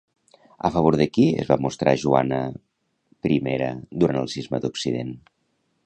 A favor de qui es va mostrar Joana I durant el Cisma d'Occident?